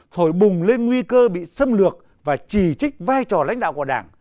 thổi bùng lên nguy cơ bị xâm lược và chỉ trích vai trò lãnh đạo của đảng